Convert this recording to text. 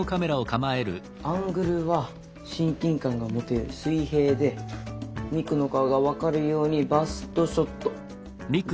アングルは親近感が持てる水平でミクの顔が分かるようにバストショット。